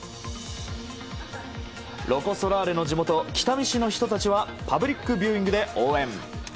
ロコ・ソラーレの地元北見市の人たちはパブリックビューイングで応援。